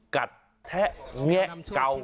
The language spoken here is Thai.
กัดแทะแงะเก่า